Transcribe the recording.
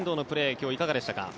今日はいかがでしたか？